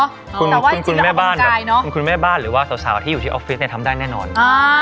แต่ว่าคุณคุณแม่บ้านแบบคุณคุณแม่บ้านหรือว่าสาวสาวที่อยู่ที่ออฟฟิศเนี่ยทำได้แน่นอนอ่า